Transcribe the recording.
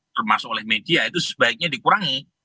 termasuk oleh media itu sebaiknya dikurangi